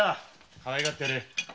かわいがってやれ！